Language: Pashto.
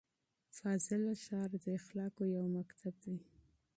فاضله ښار د اخلاقو یو مکتب دی.